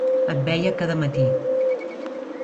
Et veia cada matí.